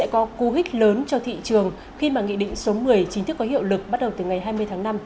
có cú hích lớn cho thị trường khi mà nghị định số một mươi chính thức có hiệu lực bắt đầu từ ngày hai mươi tháng năm